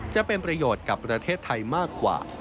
จะเป็นประโยชน์กับประเทศไทยมากกว่า